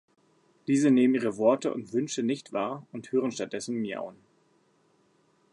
Diese nehmen ihre Worte und Wünsche nicht wahr und hören stattdessen Miauen.